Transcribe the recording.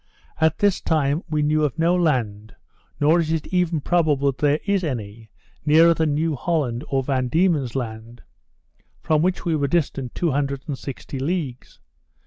At this time we knew of no land, nor is it even probable that there is any, nearer than New Holland, or Van Diemen's Land, from which we were distant 260 leagues.